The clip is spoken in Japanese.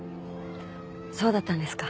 そうだったんですか。